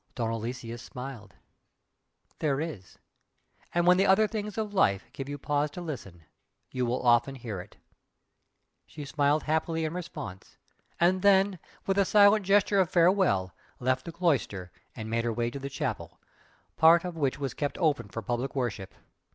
Don Aloysius smiled. "There is! And when the other things of life give you pause to listen, you will often hear it!" She smiled happily in response, and then, with a silent gesture of farewell, left the cloister and made her way to the chapel, part of which was kept open for public worship.